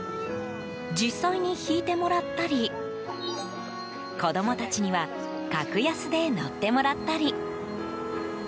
実際に引いてもらったり子供たちには格安で乗ってもらったり。